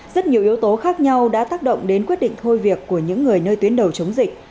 rất nhiều yếu tố khác nhau đã tác động đến quyết định thôi việc của những người nơi tuyến đầu chống dịch